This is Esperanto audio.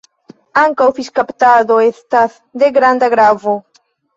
Ankaŭ fiŝkaptado estas de granda gravo.